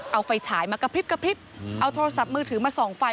เอาไฟฉายมากระพริบกระพริบเอาโทรศัพท์มือถือมาส่องไฟ